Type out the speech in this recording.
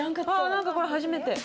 何かこれ初めて。